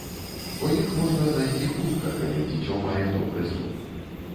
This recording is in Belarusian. Бо іх можна знайсці хутка, калі дзіцё мае добры зрок.